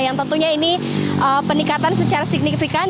yang tentunya ini peningkatan secara signifikan